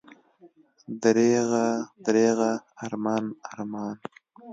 دریغه، دریغه، ارمان، ارمان!